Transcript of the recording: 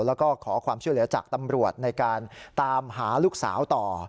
แล้วก็ขอความช่วยเหลือจากตำรวจในการตามหาลูกสาวต่อ